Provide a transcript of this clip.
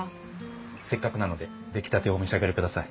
せっかくなので出来たてをお召し上がりください。